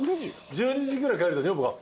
１２時ぐらい帰ると女房が。